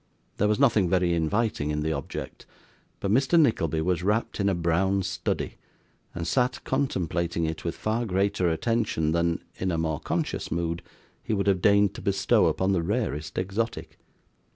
There was nothing very inviting in the object, but Mr Nickleby was wrapt in a brown study, and sat contemplating it with far greater attention than, in a more conscious mood, he would have deigned to bestow upon the rarest exotic.